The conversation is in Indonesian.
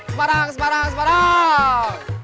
semarang semarang semarang